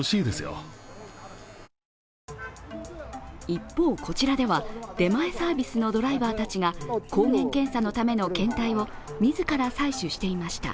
一方、こちらでは出前サービスのドライバーたちが抗原検査のための検体を自ら採取していました。